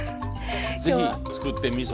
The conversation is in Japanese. ぜひ作ってみそ。